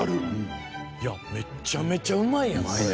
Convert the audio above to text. いやめちゃめちゃうまいやんこれ。